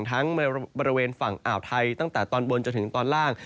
ทั้งบริเวณฝั่งอ่าวไทยตั้งแต่ตอนบนจนถึงตอนล่าง